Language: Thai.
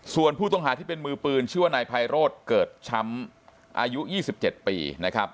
ส่วนผู้ต้องหาที่เป็นมือปืนชื่อว่านายไพโรธเกิดช้ำอายุ๒๗ปีนะครับ